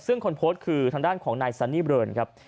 ซึ่งคนโพสต์คือทางด้านของนายซันนี่เบลอนครับ